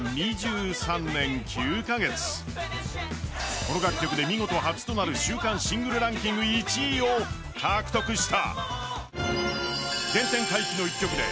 この楽曲で見事初となる週間シングルランキング１位を獲得した。